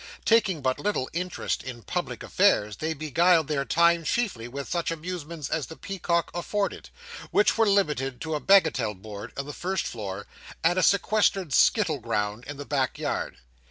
Taking but little interest in public affairs, they beguiled their time chiefly with such amusements as the Peacock afforded, which were limited to a bagatelle board in the first floor, and a sequestered skittle ground in the back yard.